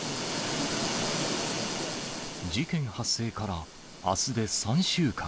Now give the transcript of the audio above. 事件発生から、あすで３週間。